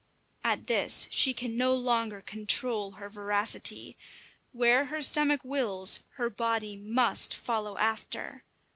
At this she can no longer control her voracity. Where her stomach wills, her body must follow after.